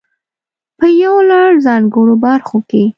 په يو لړ ځانګړو برخو کې.